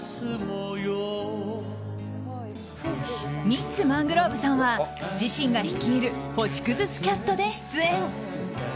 ミッツ・マングローブさんは自身が率いる星屑スキャットで出演。